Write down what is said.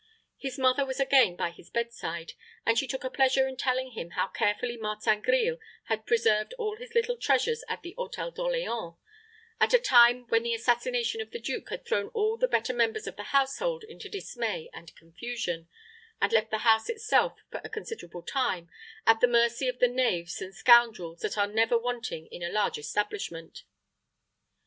His mother was again by his bedside, and she took a pleasure in telling him how carefully Martin Grille had preserved all his little treasures in the Hôtel d'Orleans, at a time when the assassination of the duke had thrown all the better members of the household into dismay and confusion, and left the house itself, for a considerable time, at the mercy of the knaves and scoundrels that are never wanting in a large establishment.